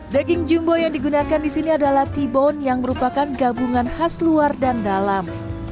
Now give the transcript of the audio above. daging jumbo yang digunakan di sini adalah tibon yang merupakan gabungan khas luar dan dalam